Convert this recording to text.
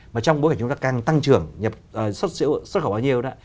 mà trong bối cảnh chúng ta càng tăng trưởng xuất khẩu bao nhiêu đó